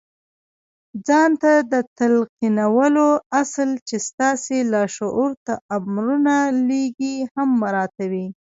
ځان ته د تلقينولو اصل چې ستاسې لاشعور ته امرونه لېږي هم مراعتوئ.